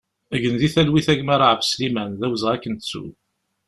Gen di talwit a gma Raab Sliman, d awezɣi ad k-nettu!